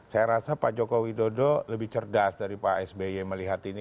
saya rasa pak jokowi dodo lebih cerdas dari pak sby melihat ini